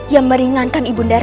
yang meringankan ibu darah